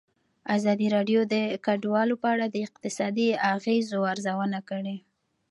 ازادي راډیو د کډوال په اړه د اقتصادي اغېزو ارزونه کړې.